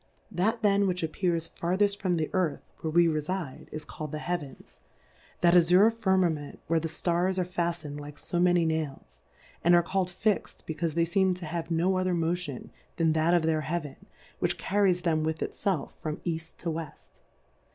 That then which appears fartheft from the Earth, (where werefide) is. called the Plurality ^/WORLDS. 13 the Heavens, that Azure Firmament where the Stars are faftned like fo ma ny Nails, (and are calPd fix'd, becaufe they feem to have no other Motion than that of their Heaven, which carries them with it felf from Eaft to Weft.)